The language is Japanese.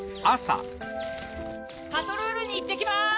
・パトロールにいってきます！